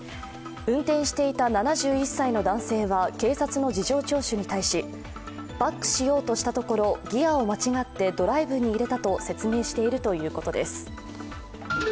運転していた７１歳の男性は、警察の事情聴取に対し、バックしようとしたところギアを間違ってドライブに入れたと説明しているということです。